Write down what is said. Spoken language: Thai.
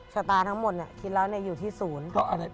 ชะตาทั้งหมดเนี่ยคิดแล้วเนี่ยอยู่ที่ศูนย์